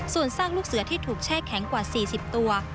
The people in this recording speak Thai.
ส่วนซากลูกเสือที่ถูกแช่แข็งกว่า๔๐ตัว